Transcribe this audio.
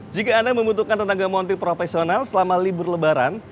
jika anda membutuhkan tenaga mountry profesional selama libur lebaran